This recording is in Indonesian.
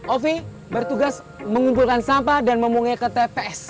ovi bertugas mengumpulkan sampah dan memungkir ke tps